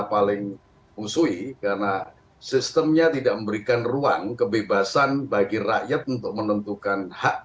paling musuhi karena sistemnya tidak memberikan ruang kebebasan bagi rakyat untuk menentukan hak